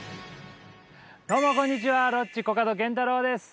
どうもこんにちはロッチコカドケンタロウです。